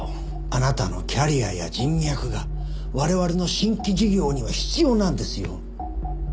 あなたのキャリアや人脈が我々の新規事業には必要なんですよ。